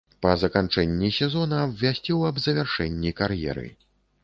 Па заканчэнні сезона абвясціў аб завяршэнні кар'еры.